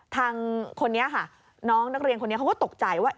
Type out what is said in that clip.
ทางคนนี้ค่ะน้องนักเรียนคนนี้เขาก็ตกใจว่า